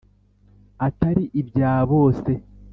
atari ibya bose.